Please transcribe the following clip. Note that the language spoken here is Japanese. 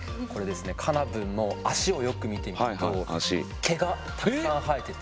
カナブンの脚をよく見てみると毛がたくさん生えてて。